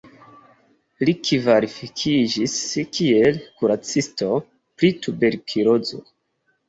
Li kvalifikiĝis kiel kuracisto pri tuberkulozo.